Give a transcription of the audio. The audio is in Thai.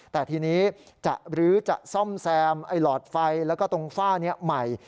แต่ทีนี้จะรื้อจะซ่อมแซมไอ้หลอดไฟแล้วก็ตรงฝ้านี้ใหม่